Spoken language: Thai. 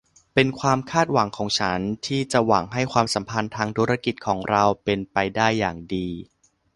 เป็นความคาดหวังของฉันที่จะหวังให้ความสัมพันธ์ทางธุรกิจของเราเป็นไปได้อย่างดี